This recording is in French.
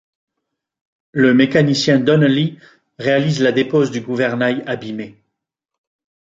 Le mécanicien Donnelly réalise la dépose du gouvernail abîmé.